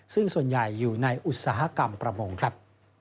ซึ่งส่วนใหญ่อยู่ในอุตสาหกรรมประมงครับ